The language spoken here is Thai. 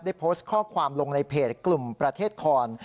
โพสต์ข้อความลงในเพจกลุ่มประเทศคอน